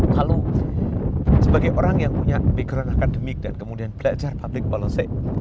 kalau sebagai orang yang punya background akademik dan kemudian belajar public policy